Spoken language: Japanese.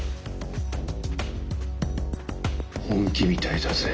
本気みたいだぜ。